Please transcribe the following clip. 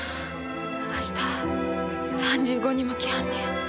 明日３５人も来はんねん。